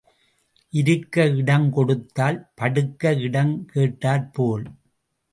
இருக்க இடம் கொடுத்தால் படுக்க இடம் கேட்டாற் போல்,